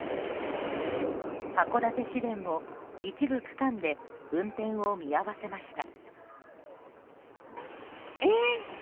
函館市電も一部区間で運転を見合わせました。